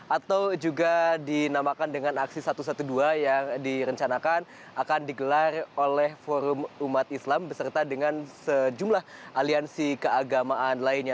atau juga dinamakan dengan aksi satu ratus dua belas yang direncanakan akan digelar oleh forum umat islam beserta dengan sejumlah aliansi keagamaan lainnya